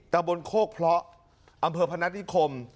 ตะบนโคกเพราะอำเภอพนัฐนิคม